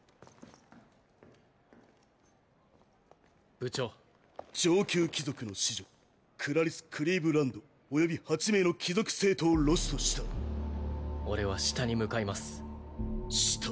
部長上級貴族の子女クラリス＝クリーヴランドおよび８名の貴族生徒をロストした俺は下に向かいます下？